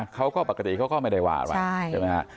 เขาก็ปกติเขาก็ไม่ได้ว่าใช่ไหมครับ